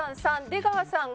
３出川さん